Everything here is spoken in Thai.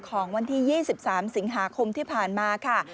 ของวันที่๒๓สิงหาคมที่ผ่านมาค่ะ